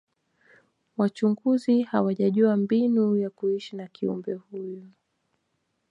wachunguzi hawajajua mbinu ya kuishi na kiumbe huyu